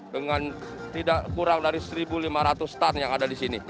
dengan kurang dari satu lima ratus stand yang ada di sini